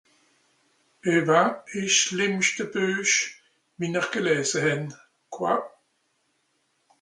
(...) ìsch s'schlìmmschte Buech, wie-n-r gelèse hän ?(...)